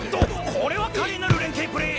これは華麗なる連携プレー！